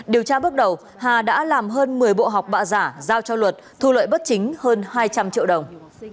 điều tra bước đầu hà đã làm hơn một mươi bộ học bạ giả giao cho luật thu lợi bất chính hơn hai trăm linh triệu đồng